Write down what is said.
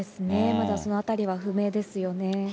まだそのあたりは不明ですよね。